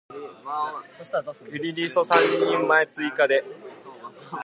クリリソ三人前追加で